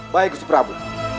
baik ustaz prabu